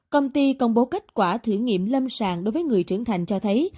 công ty công bố kết quả thử nghiệm lâm sàng đối với người trưởng thành cho thấy